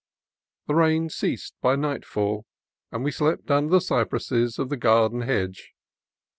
The rain ceased by nightfall, and we slept under the cypresses of the garden hedge.